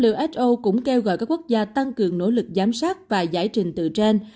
who cũng kêu gọi các quốc gia tăng cường nỗ lực giám sát và giải trình từ trên